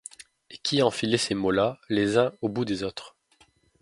Et qui a enfilé ces mots-là les uns au bout des autres?...